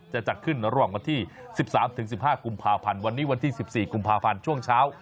จะจัดขึ้นรวมที่๑๓๑๕กภัวันนี้วันที่๑๔กภัช่วงเช้า